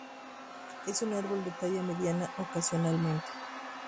Es un árbol de talla mediana ocasionalmente grande.